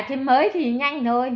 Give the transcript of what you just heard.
thì mới thì nhanh thôi